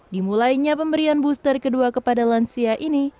dimulainya pemberian booster kedua kepada lansia ini